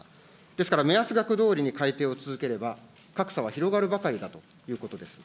ですから目安額どおりに改定を続ければ、格差は広がるばかりだということです。